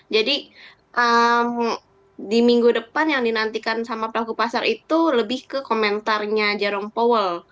jadi di minggu depan yang dinantikan sama pelaku pasar itu lebih ke komentarnya jerome powell